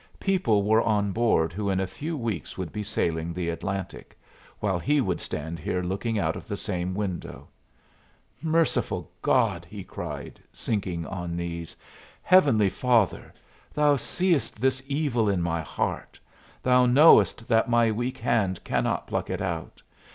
People were on board who in a few weeks would be sailing the Atlantic, while he would stand here looking out of the same window. "Merciful God!" he cried, sinking on knees. "Heavenly Father, Thou seest this evil in my heart. Thou knowest that my weak hand cannot pluck it out.